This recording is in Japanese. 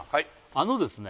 あのですね